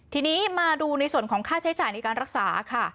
ทีนี้มาดูในส่วนของค่าใช้จ่ายในการรักษาค่ะ